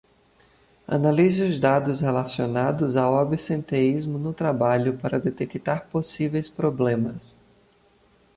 Analise os dados relacionados ao absenteísmo no trabalho para detectar possíveis problemas.